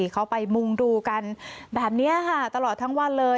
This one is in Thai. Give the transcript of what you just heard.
เขาไปมุงดูกันแบบนี้ค่ะตลอดทั้งวันเลย